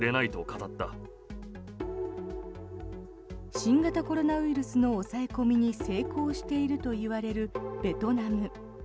新型コロナウイルスの抑え込みに成功しているといわれるベトナム。